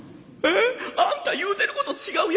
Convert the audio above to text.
えっ！？あんた言うてること違うやんか。